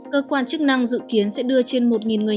cơ quan chức năng dự kiến sẽ đưa trên một người